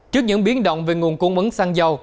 trước những biến động về nguồn cung bấn xăng dầu